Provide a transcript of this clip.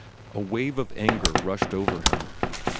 A wave of anger rushed over him.